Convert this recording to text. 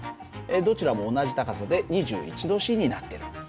どちらも同じ高さで２１℃になってる。